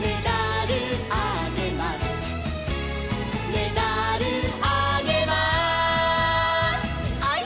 「メダルあげます」「ハイ！